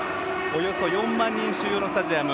およそ４万人収容のスタジアム。